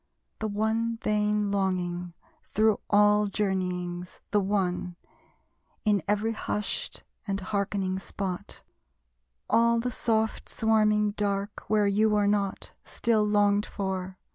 The one vain longing, through all journeyings, The one: in every hushed and hearkening spot, All the soft swarming dark where you were not, Still longed for!